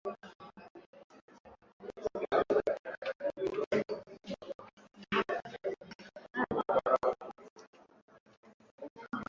huku raia wa nchini humo wakiwa bado hawajasahau masahibu